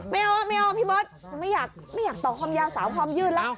ไม่เอาพี่เบิร์ดไม่อยากต่อความยาวสาวความยื่นรัก